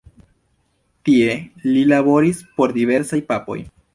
Tie li laboris por diversaj papoj.